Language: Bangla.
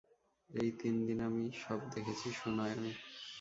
এই তিন দিনে আমি সব দেখেছি সুনয়নী।